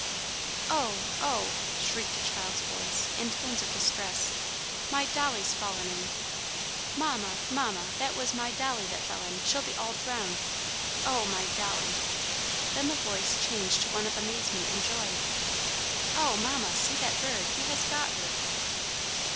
"Oh, oh!" shrieked a child's voice, in tones of distress, "my dolly's fallen in! Mamma, Mamma, that was my dolly that fell in. She'll be all drowned! Oh, my dolly!" Then the voice changed to one of amazement and joy: "Oh, Mamma, see that bird! He has got her!"